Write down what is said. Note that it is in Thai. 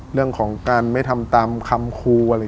เรื่องของการไม่ทำตามคำครูอะไร